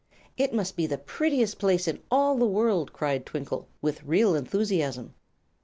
"It must be the prettiest place in all the world!" cried Twinkle, with real enthusiasm.